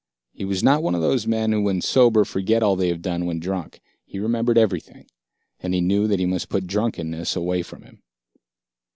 He was not one of those men who when sober forget all they have done when drunk. He remembered everything. And he knew that he must put drunkenness away from him.